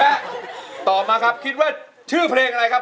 เพลงนี้อยู่ในอาราบัมชุดแรกของคุณแจ็คเลยนะครับ